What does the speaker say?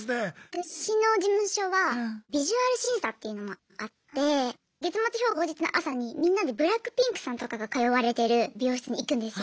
私の事務所はビジュアル審査っていうのもあって月末評価の当日の朝にみんなでＢＬＡＣＫＰＩＮＫさんとかが通われてる美容室に行くんですよ。